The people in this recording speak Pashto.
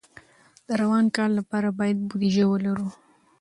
د روان کال لپاره باید بودیجه ولرو.